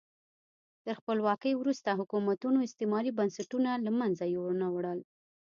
تر خپلواکۍ وروسته حکومتونو استعماري بنسټونه له منځه یو نه وړل.